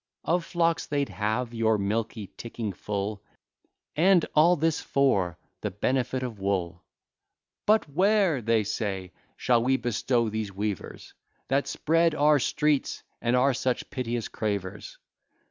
Of flocks they'd have your milky ticking full: And all this for the benefit of wool! "But where," say they, "shall we bestow these weavers, That spread our streets, and are such piteous cravers?"